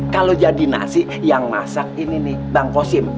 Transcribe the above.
kalau jadi nasi yang masak ini nih bang kosim